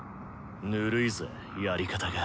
ぬるいぜやり方が。